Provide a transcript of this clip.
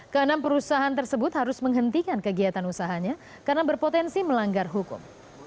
keenam perusahaan tersebut harus menghentikan kegiatan usahanya karena berpotensi melanggar hukum